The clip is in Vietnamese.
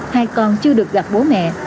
hai con chưa được gặp bố mẹ